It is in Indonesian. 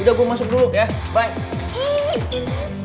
udah gue masuk dulu ya baik